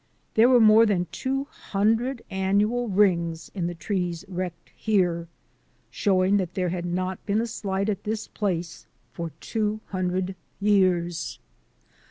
There were more than two hundred annual rings in the trees wrecked here, showing that there had not been a slide at this place for two hundred years.